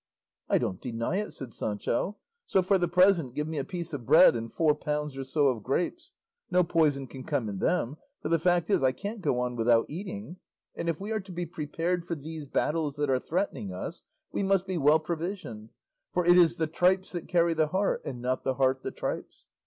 '" "I don't deny it," said Sancho; "so for the present give me a piece of bread and four pounds or so of grapes; no poison can come in them; for the fact is I can't go on without eating; and if we are to be prepared for these battles that are threatening us we must be well provisioned; for it is the tripes that carry the heart and not the heart the tripes.